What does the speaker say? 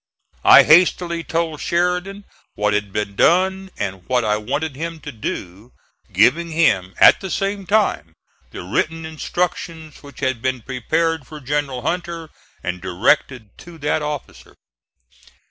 I hastily told Sheridan what had been done and what I wanted him to do, giving him, at the same time, the written instructions which had been prepared for General Hunter and directed to that officer.